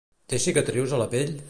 Té cicatrius a la pell?